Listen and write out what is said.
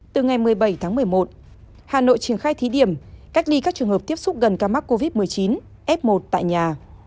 từ ngày một mươi bảy tháng một mươi một hà nội triển khai thí điểm cách ly các trường hợp tiếp xúc gần ca mắc covid một mươi chín f một tại nhà